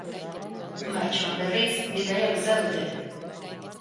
Martxoan, berriz, bidaia luzea dute.